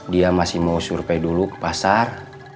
dia masih mau survei dulu ke pasar